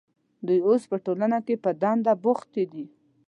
دوی اوس په ټولنه کې په دنده بوختې دي.